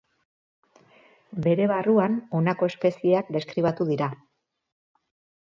Bere barruan honako espezieak deskribatu dira.